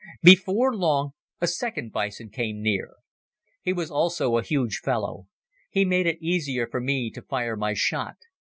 Before long, a second bison came near. He was also a huge fellow. He made it easier for me to fire my shot.